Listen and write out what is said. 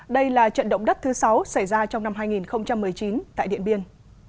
đây là trận động đất thứ sáu xảy ra trong năm hai nghìn một mươi chín tại điện biên